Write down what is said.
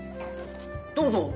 どうぞ。